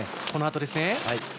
このあとですね。